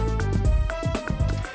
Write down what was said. liat gue cabut ya